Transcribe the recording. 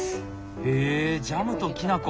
へえジャムときな粉。